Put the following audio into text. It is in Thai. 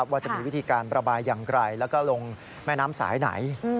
ว่าจะมีวิธีการประบายอย่างไรแล้วก็ลงแม่น้ำสายไหน